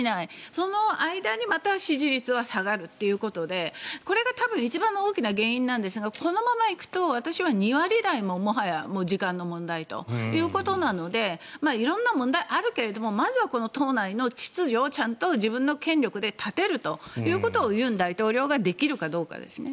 その間にまた支持率は下がるということでこれが多分一番大きな原因なんですがこのまま行くと、私は２割台も時間の問題ということなので色んな問題があるけどもまずは党内の秩序をちゃんと自分の権力で立てるということを尹大統領ができるかどうかですね。